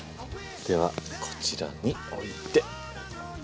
ではこちらにおいて。